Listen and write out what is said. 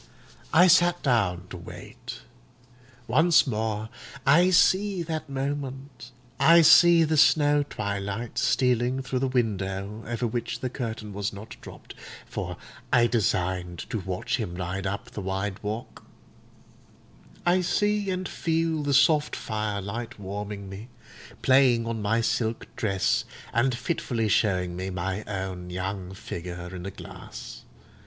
I sat down to wait. Once more I see that moment—I see the snow twilight stealing through the window over which the curtain was not dropped, for I designed to watch him ride up the white walk; I see and feel the soft firelight warming me, playing on my silk dress, and fitfully showing me my own young figure in a glass.